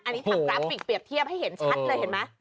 อันนี้ทำกราฟิกเปรียบเทียบให้เห็นชัดเลยเห็นไหม